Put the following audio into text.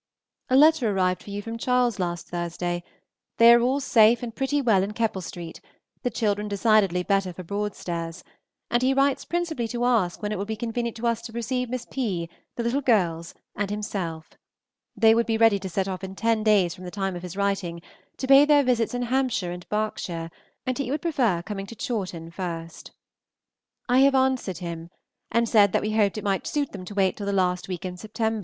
A letter arrived for you from Charles last Thursday. They are all safe and pretty well in Keppel St., the children decidedly better for Broadstairs; and he writes principally to ask when it will be convenient to us to receive Miss P., the little girls, and himself. They would be ready to set off in ten days from the time of his writing, to pay their visits in Hampshire and Berkshire, and he would prefer coming to Chawton first. I have answered him, and said that we hoped it might suit them to wait till the last week in Septr.